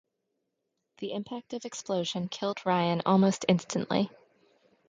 The impact of explosion killed Ryan almost instantly.